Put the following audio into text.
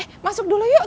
eh masuk dulu yuk